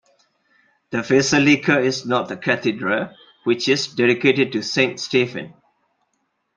The basilica is not the cathedral, which is dedicated to Saint Stephen.